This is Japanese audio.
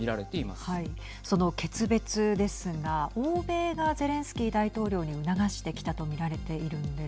その決別ですが欧米がゼレンスキー大統領に促してきたと見られているんです。